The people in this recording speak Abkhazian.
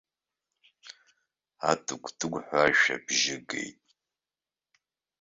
Атыгә-тыгәҳәа ашә абжьы геит.